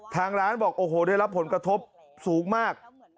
ทางร้านบอกโอ้โหได้รับผลกระทบสูงมาก